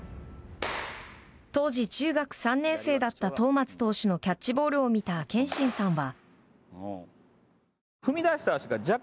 当時、中学３年生だった東松投手のキャッチボールを見た憲伸さんは。